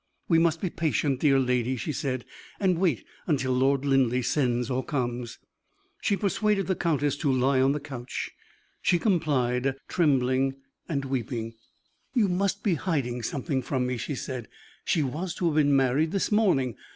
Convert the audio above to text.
"We must be patient, dear lady," she said, "and wait until Lord Linleigh sends or comes." She persuaded the countess to lie on the couch. She complied, trembling, weeping. "You must be hiding something from me," she said. "She was to have been married this morning.